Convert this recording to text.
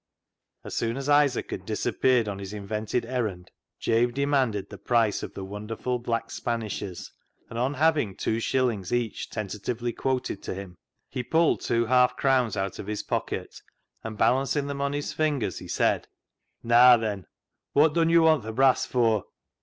As soon as Isaac had disappeared on his invented errand, Jabe demanded the price ot the wonderful Black Spanishes, and on having two shillings each tentatively quoted to him, he pulled two half crowns out of his pocket, and balancing them on his fingers, he said —" Naa, then ; wot dun yo' want th' brass fur?"